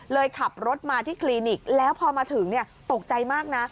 ขับรถมาที่คลินิกแล้วพอมาถึงตกใจมากนะ